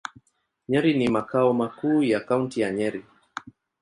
Nyeri ni makao makuu ya Kaunti ya Nyeri.